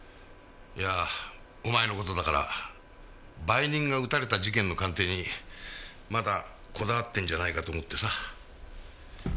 いやお前の事だから売人が撃たれた事件の鑑定にまだこだわってるんじゃないかと思ってさ。